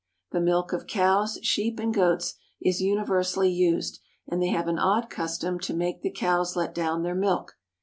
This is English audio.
The milk of cows, sheep, and goats is universally used, and they have an odd custom to make the cows let down their milk.